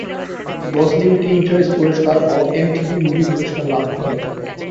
Gosling teen choice পুরস্কার ও MTV movie পুরস্কার লাভ করেন।